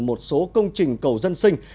một số công trình cầu dân sinh